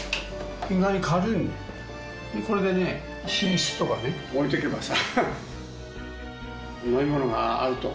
これでね寝室とか置いとけばさ。